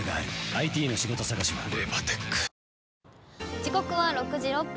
時刻は６時６分。